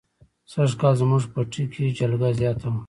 سږ کال زموږ پټي کې جلگه زیاته وه.